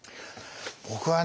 僕はね